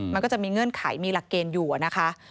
มันก็จะมีเงื่อนไขมีหลักเกณฑ์อยู่นะคะ